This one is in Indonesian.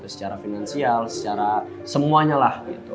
secara finansial secara semuanya lah